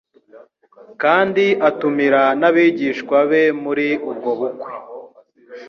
kandi atumira n'abigishwa be muri ubwo bukwe.